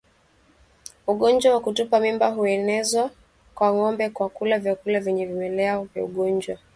Ugonjwa wa kutupa mimba huenezwa kwa ngombe kwa kula vyakula vyenye vimelea vya ugonjwa